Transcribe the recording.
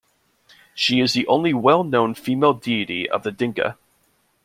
She is the only well-known female deity of the Dinka.